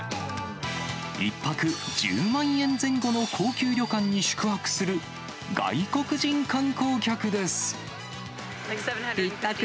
１泊１０万円前後の高級旅館に宿泊する外国人観光客です。